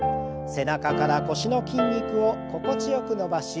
背中から腰の筋肉を心地よく伸ばし